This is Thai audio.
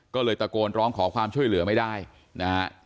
ก็เลยตะโกนร้องขอความช่วยเหลือไม่ได้นะฮะ